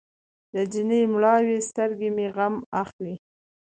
د جینۍ مړاوې سترګې مې غم اخلي.